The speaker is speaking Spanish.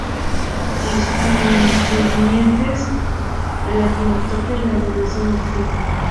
Los concernientes a la climatología y la previsión del tiempo.